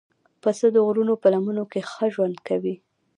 پسه د غرونو په لمنو کې ښه ژوند کوي.